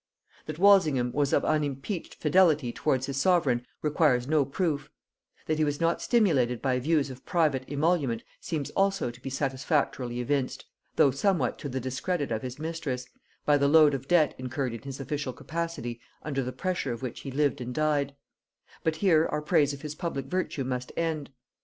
That Walsingham was of unimpeached fidelity towards his sovereign requires no proof; that he was not stimulated by views of private emolument seems also to be satisfactorily evinced, though somewhat to the discredit of his mistress, by the load of debt incurred in his official capacity under the pressure of which he lived and died: but here our praise of his public virtue must end.